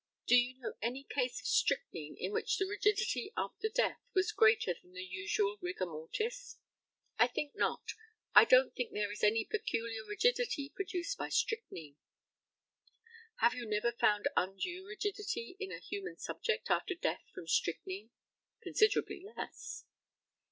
Do you know any case of strychnine in which the rigidity after death was greater than the usual rigor mortis? I think not. I don't think there is any peculiar rigidity produced by strychnine. Have you never found undue rigidity in a human subject after death from strychnine? Considerably less.